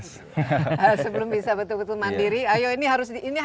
sebelum bisa betul betul mandiri ayo ini harus